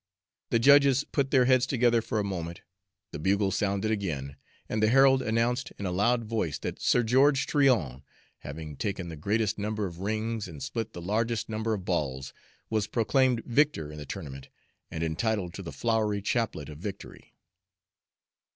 The judges put their heads together for a moment. The bugle sounded again, and the herald announced in a loud voice that Sir George Tryon, having taken the greatest number of rings and split the largest number of balls, was proclaimed victor in the tournament and entitled to the flowery chaplet of victory.